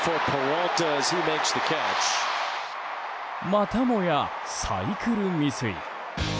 またもや、サイクル未遂。